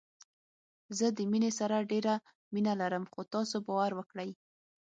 زه د مينې سره ډېره مينه لرم خو تاسو باور وکړئ